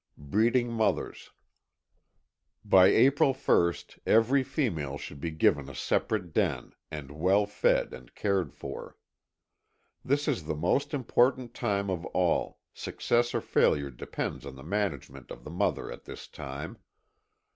18.ŌĆöBreeding Mothers. By April first every female should be given a separate den, and well fed and cared for. This is the most important time of all, success or failure depends on the management of the mother at this time.